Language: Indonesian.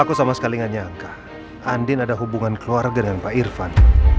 aku sama sekali gak nyangka andin ada hubungan keluarga dengan pak irfan